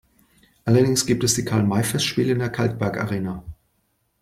Allerdings gibt es die Karl-May-Festspiele in der Kalkbergarena.